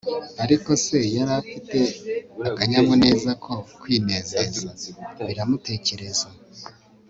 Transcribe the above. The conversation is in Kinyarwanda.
ariko se yari afite akanyamuneza ko kwinezeza, biramutekereza